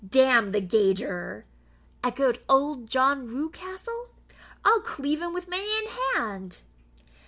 "Damn the gauger!" echoed old John Rewcastle; "I'll cleave him wi' my ain hand."